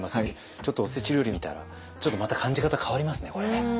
ちょっとおせち料理見たらまた感じ方変わりますねこれね。